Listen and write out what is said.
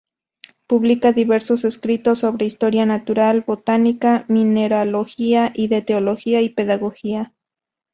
Publica diversos escritos sobre Historia Natural, Botánica, Mineralogía, y de Teología y Pedagogía.